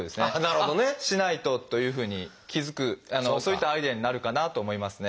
「あっしないと」というふうに気付くそういったアイデアになるかなと思いますね。